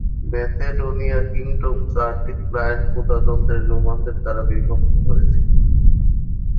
Macedonia kingdom চারটি client প্রজাতন্ত্রে রোমানদের দ্বারা বিভক্ত হয়েছিল।